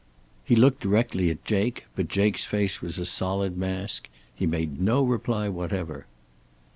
He looked directly at Jake, but Jake's face was a solid mask. He made no reply whatever.